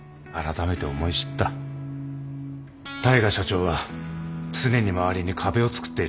大海社長は常に周りに壁をつくっている。